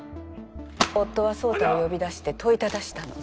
夫は宗太を呼び出して問いただしたの。